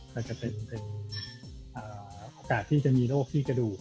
ก็จะเป็นโอกาสที่จะมีโรคที่กระดูก